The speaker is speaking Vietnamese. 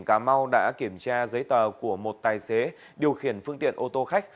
cơ quan công an đã kiểm tra giấy tờ của một tài xế điều khiển phương tiện ô tô khách